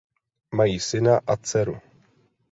Mají syna a dceru.